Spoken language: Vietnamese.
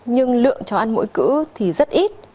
nhưng lượng cháu ăn mỗi cữ thì rất ít